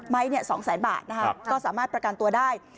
๒แสนบาทก็สามารถประกันตัวได้